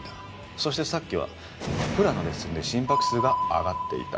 そしてさっきはフラのレッスンで心拍数が上がっていた。